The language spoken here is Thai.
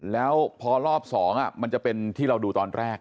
แล้วพอรอบ๒มันจะเป็นที่เราดูตอนแรก